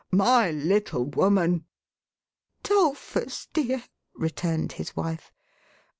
My little woman !"" 'Dolphus dear," returned his wife.